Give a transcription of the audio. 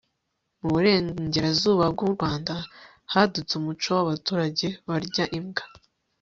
mu burengerazuba bw'u rwanda, hadutse umuco w'abaturage barya imbwa